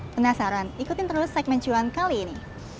penasaran ikutin terus segmen cuan kali ini